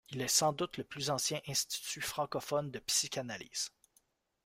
Il est sans doute le plus ancien institut francophone de psychanalyse.